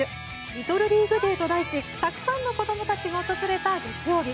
リトルリーグデーと題したくさんの子供たちが訪れた月曜日。